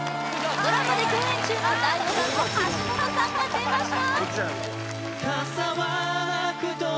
ドラマで共演中の醍醐さんと橋本さんが出ました